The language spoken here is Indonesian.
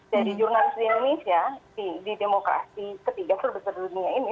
jadi jurnalis di indonesia di demokrasi ketiga terbesar di dunia ini